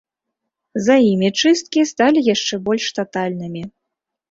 За імі чысткі сталі яшчэ больш татальнымі.